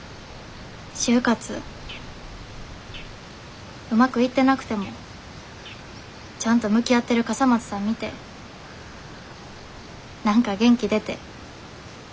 就活うまくいってなくてもちゃんと向き合ってる笠松さん見て何か元気出て。